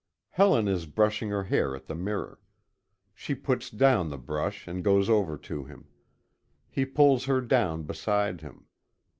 Helen is brushing her hair at the mirror. She puts down the brush and goes over to him. He pulls her down beside him.